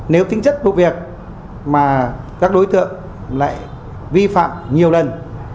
nếu tính chất vụ việc mà các đối tượng lại vi phạm nhiều lần